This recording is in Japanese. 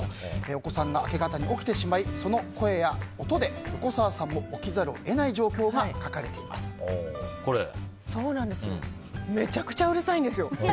お子さんが明け方に起きてしまいその声や音で横澤さんも起きざるを得ない状況がめちゃくちゃうるさいんです。